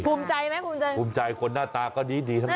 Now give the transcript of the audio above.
ภูมิใจไหมภูมิใจภูมิใจคนหน้าตาก็ดีดีใช่ไหม